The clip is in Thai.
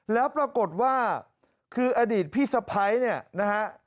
แล้วปรากฏว่าคืออดีตพี่สะพ้ายเนี่ยนะฮะ